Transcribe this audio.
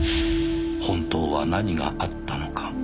「本当は何があったのか」